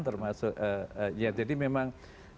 termasuk ya jadi memang